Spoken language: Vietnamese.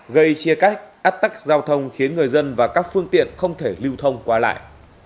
gây chia cắt ách tắc giao thông khiến người dân và các phương tiện không thể lưu thông qua lại